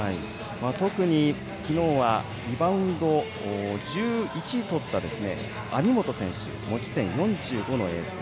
特に昨日はリバウンド１１とった網本選手持ち点４．５の選手。